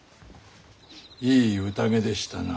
いい宴でしたな。